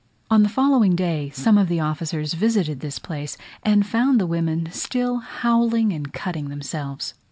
On the following day some of the officers visited this place, and found the women still howling and cutting themselves.